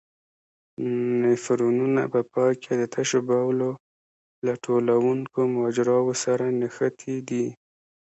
نفرونونه په پای کې د تشو بولو له ټولوونکو مجراوو سره نښتي دي.